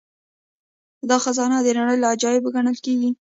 دا خزانه د نړۍ له عجايبو ګڼل کیږي